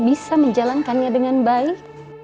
bisa menjalankannya dengan baik